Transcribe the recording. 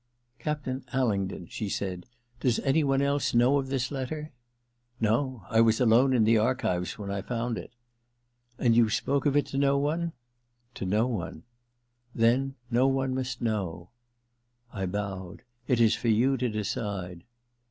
^ Captun Alingdon,' she said, * does any one else know of this letter ?' *No. I was alone in the archives when I found it/ ' And you spoke of it to no one ?'* To no one/ * Then no one must know/ I bowed. • It is for you to decide.